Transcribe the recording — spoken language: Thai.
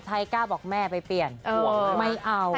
ไทยกล้าบอกแม่ไปเปลี่ยนไม่เอา